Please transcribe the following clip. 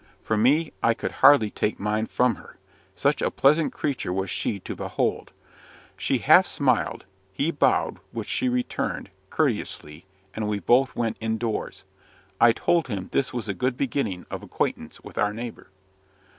For me, I could hardly take mine from her, such a pleasant creature was she to behold. She half smiled he bowed, which she returned, courteously, and we both went in doors. I told him this was a good beginning of acquaintance with our neighbour.